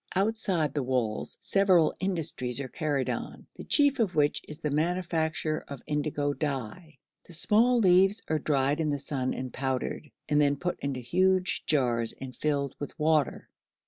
Outside the walls several industries are carried on, the chief of which is the manufacture of indigo dye. The small leaves are dried in the sun and powdered, and then put into huge jars and filled with water.